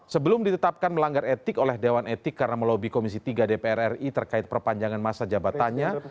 sebelum ditetapkan melanggar etik oleh dewan etik karena melobi komisi tiga dpr ri terkait perpanjangan masa jabatannya